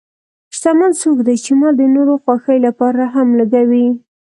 شتمن څوک دی چې مال د نورو خوښۍ لپاره هم لګوي.